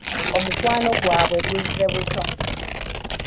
Omukwano gwabwe guzze buto.